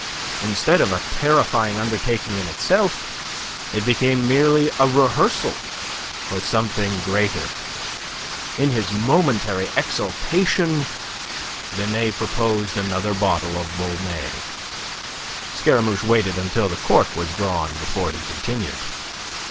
Instead of a terrifying undertaking in itself, it became merely a rehearsal for something greater. In his momentary exaltation Binet proposed another bottle of Volnay. Scaramouche waited until the cork was drawn before he continued.